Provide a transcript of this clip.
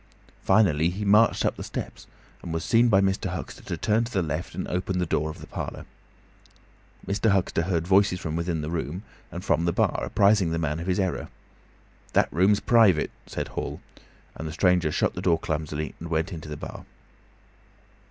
Finally he marched up the steps, and was seen by Mr. Huxter to turn to the left and open the door of the parlour. Mr. Huxter heard voices from within the room and from the bar apprising the man of his error. "That room's private!" said Hall, and the stranger shut the door clumsily and went into the bar.